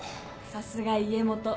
さすが家元。